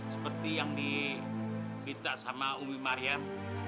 seperti yang dibinta sama umi maryam